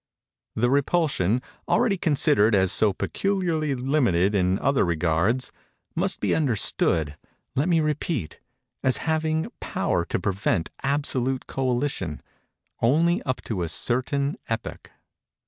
The repulsion, already considered as so peculiarly limited in other regards, must be understood, let me repeat, as having power to prevent absolute coalition, only up to a certain epoch.